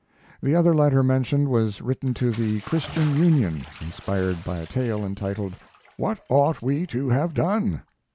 The other letter mentioned was written to the 'Christian Union', inspired by a tale entitled, "What Ought We to Have Done?"